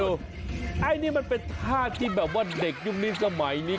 อันนี้มันเป็นท่าที่แบบว่าเด็กยุคนี้สมัยนี้